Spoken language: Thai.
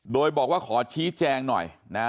โดยบอกว่าขอชี้แจงหน่อยนะ